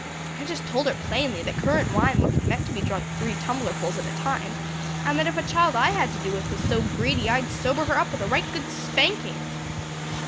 I just told her plainly that currant wine wasn't meant to be drunk three tumblerfuls at a time and that if a child I had to do with was so greedy I'd sober her up with a right good spanking."